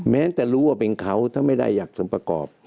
แม้จะรู้ว่าเป็นเขาถ้าไม่ได้อยากสมประกอบ